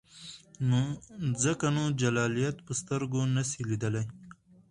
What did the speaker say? ځکه نو جلالیت په سترګو نسې لیدلای.